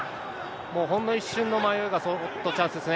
もうほんの一瞬の迷いがチャンスですね。